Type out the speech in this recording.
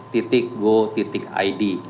terima kasih pak b